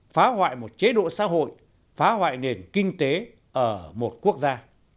phá hoại một chế độ xã hội phá hoại nền kinh tế ở một quốc gia